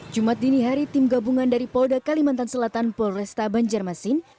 jumat dini hari tim gabungan dari polda kalimantan selatan polresta banjarmasin